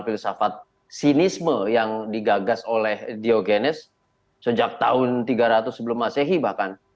filsafat sinisme yang digagas oleh diogenes sejak tahun tiga ratus sebelum masehi bahkan